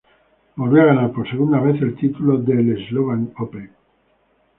Volvió a ganar, por segunda vez, el título del Slovak Open.